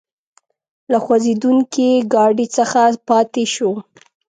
له خوځېدونکي ګاډي څخه پاتې شوو.